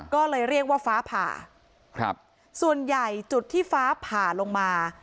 ก็เลยเรียกว่าฟ้าผ่าครับส่วนใหญ่จุดที่ฟ้าผ่าลงมา